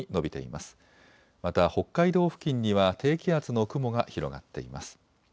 また北海道付近には低気圧の雲が広がっています。